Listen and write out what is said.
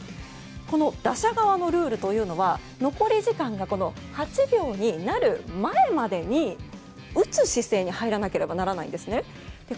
この打者側のルールというのは残り時間が８秒になる前までに打つ姿勢に入らなければならないんですね。